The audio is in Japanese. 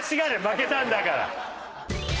負けたんだから。